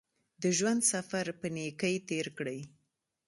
د ژوند سفر په نېکۍ تېر کړئ.